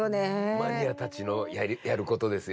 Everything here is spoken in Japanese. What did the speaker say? マニアたちのやることですよね。